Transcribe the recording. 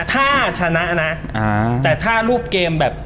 ถ้าชนะนะแต่ถ้ารูปเกมแบบ